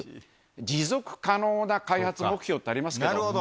持続可能な開発目標ってありますからね。